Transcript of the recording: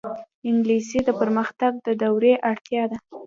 انګلیسي د پرمختګ د دورې اړتیا ده